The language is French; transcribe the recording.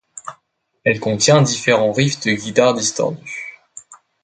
Elle contient différents riffs de guitares distordues.